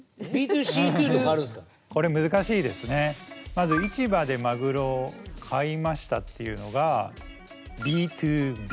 まず市場でマグロを買いましたっていうのがＢ２Ｂ。